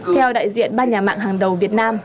theo đại diện ba nhà mạng hàng đầu việt nam